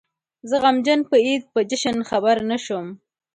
زه غمجن په عيد په جشن خبر نه شوم